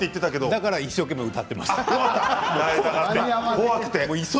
だから一生懸命歌っていました。